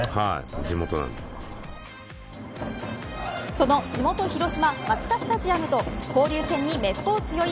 その地元広島マツダスタジアムと交流戦にめっぽう強い